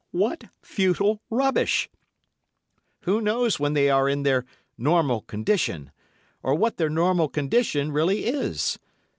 What futile rubbish! Who knows when they are in their normal condition, or what their normal condition really is?